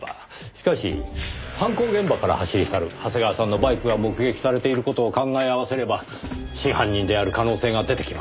しかし犯行現場から走り去る長谷川さんのバイクが目撃されている事を考え合わせれば真犯人である可能性が出てきます。